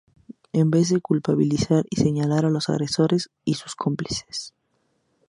en vez de culpabilizar y señalar a los agresores y sus cómplices